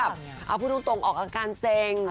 แล้วคนก็แบบเอาพูดตรงออกอาการเศร์